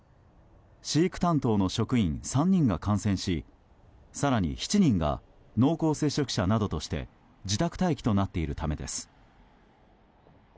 飼育担当の職員３人が感染し更に７人が濃厚接触者などとして自宅待機となっているためです。